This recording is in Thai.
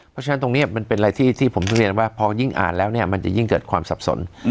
เพราะฉะนั้นมีอะไรต้องเรียนว่าพอยิ่งอ่านแล้วมันจะยิ่งเกิดความสับสน